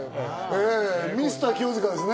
ミスター清塚ですね。